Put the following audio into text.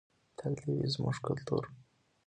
تل دې وي زموږ کلتور.